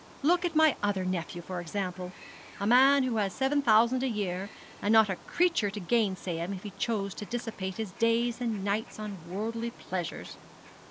Look at my other nephew, for example a man who has seven thousand a year, and not a creature to gainsay him if he chose to dissipate his days and nights on worldly pleasures.